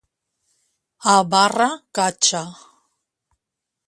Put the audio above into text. A barra catxa.